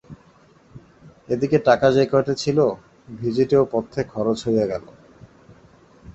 এদিকে টাকা যে কয়টি ছিল-ভিজিটে ও পথ্যে খরচ হইয়া গেল।